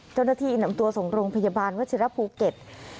เจ้าหน้าที่นำตัวส่งโรงพยาบาลวัชิระภูเก็ต